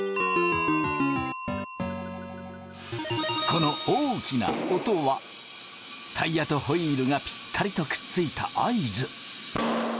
この大きな音はタイヤとホイールがぴったりとくっついた合図。